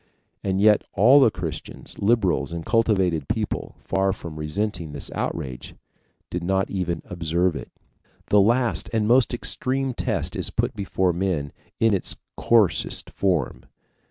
And yet all the Christians, liberals, and cultivated people, far from resenting this outrage, did not even observe it. The last, the most extreme test is put before men in its coarsest form.